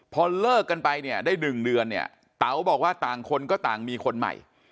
พอเลิกกันไปเนี่ยได้๑เดือนเนี่ยเต๋าบอกว่าต่างคนก็ต่างมีคนใหม่